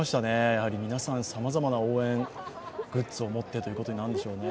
やはり皆さん、さまざまな応援グッズを持ってということになるんでしょうね。